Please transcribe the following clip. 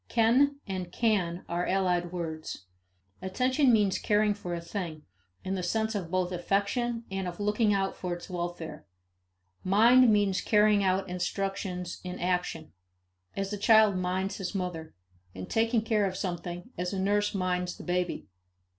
Ken and can are allied words. Attention means caring for a thing, in the sense of both affection and of looking out for its welfare. Mind means carrying out instructions in action as a child minds his mother and taking care of something as a nurse minds the baby.